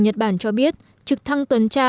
nhật bản cho biết trực thăng tuần tra